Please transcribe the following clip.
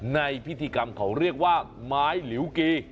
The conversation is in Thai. ในพิธีกรรมเขาเรียกว่าไม้หลิวกี